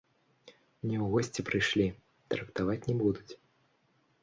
Не ў госці прыйшлі, трактаваць не будуць.